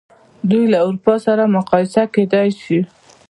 دوی له اروپا سره مقایسه کېدلای شي.